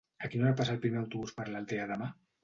A quina hora passa el primer autobús per l'Aldea demà?